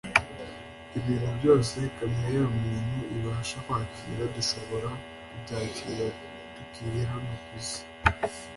ibintu byose kamere ya muntu ibasha kwakira dushobora kubyakira tukiri hano ku isi